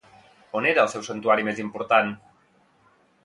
On era el seu santuari més important?